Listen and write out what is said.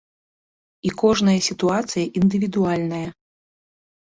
І кожная сітуацыя індывідуальная.